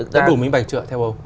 đã đủ minh bạch chưa theo ông